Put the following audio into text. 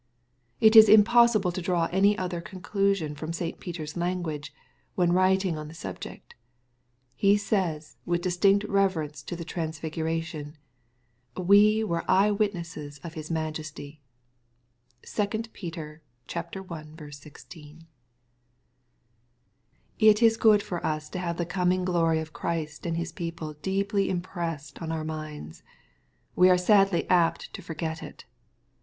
It is impossible to draw any other con clusion from St. Peter's language, when writing on the subject. He says, with distinct reference to the transfigu ration, ^^We were eye witnesses of his majesty." (2 Peter 1 16.) / It is good for us to have the coming glory of Christ / and His people deeply impressed on our minds. We are sadly apt to forget it.